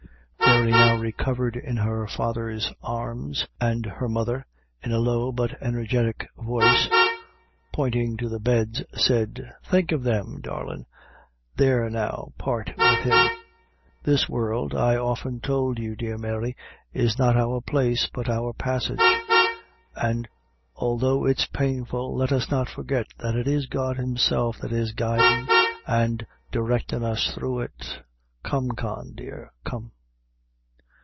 Mary now recovered in her father's arms; and her mother, in a low but energetic voice, pointing to the beds, said: "Think of them, darlin'. There now, part with him. This world, I often tould you dear, Mary, is not our place, but our passage; an' although it's painful let us not forget that it is God Himself that is guidin' and directin' us through it. Come, Con dear, come."